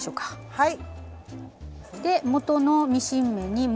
はい。